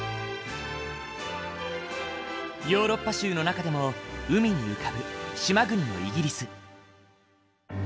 ヨーロッパ州の中でも海に浮かぶ島国のイギリス。